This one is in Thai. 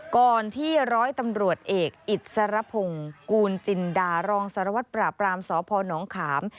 ก่อนที่ร้อยตำรวจเอกอิสรพงศ์กูลจินดารองสารวัตรปราบรามสพนขาม